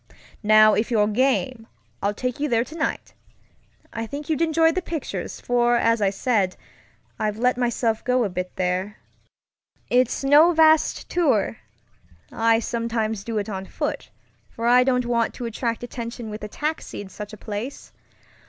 "Now if you're game, I'll take you there tonight. I think you'd enjoy the pictures, for as I said, I've let myself go a bit there. It's no vast tourŌĆöI sometimes do it on foot, for I don't want to attract attention with a taxi in such a place.